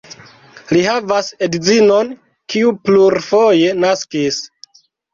Li havas edzinon, kiu plurfoje naskis.